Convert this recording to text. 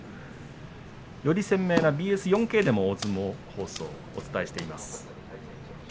より鮮明なＢＳ４Ｋでも大相撲をお伝えしています。